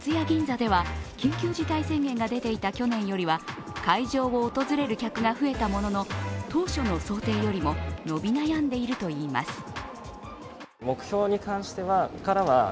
銀座では緊急事態宣言が出ていた去年よりは会場を訪れる客が増えたものの当初の想定より伸び悩んでいるといいます。